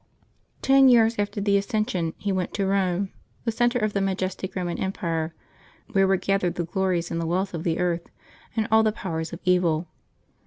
Ten years after the Ascension he went to Eome, the centre of the majestic Eoman Empire, where were gathered the glories and the wealth of the earth and all the powers of evil.